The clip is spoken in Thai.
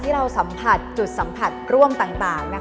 เรารับ